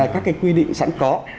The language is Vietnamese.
các cái quy định sẵn có